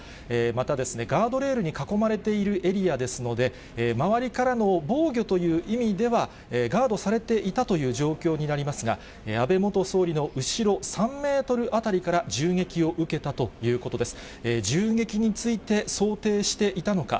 また、ガードレールに囲まれているエリアですので、周りからの防御という意味では、ガードされていたという状況になりますが、安倍元総理の後ろ、３メートル辺りから銃撃を受けたということです。